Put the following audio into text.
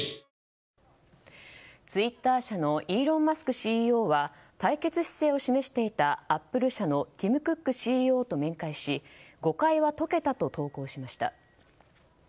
ＣＥＯは対決姿勢を示していたアップル社のティム・クックＣＥＯと面会し誤解は解けたと投稿しました。